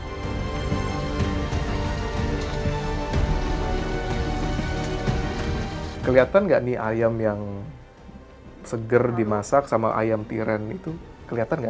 jadi apakah ayam yang segar dimasak sama ayam tiren itu kelihatan tidak